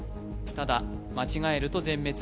ただ間違えると全滅